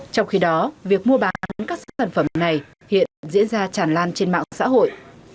trong khi đó việc mua bán các sản phẩm này hiện diễn ra tràn lan trên mạng xã hội